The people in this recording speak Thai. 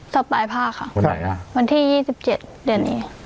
สอบปลายภาคค่ะวันไหนอ่ะวันที่ยี่สิบเจ็ดเดือนนี้